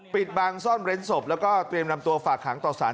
ปิดบังซ่อนเร้นศพแล้วก็เตรียมนำตัวฝากขังต่อสาร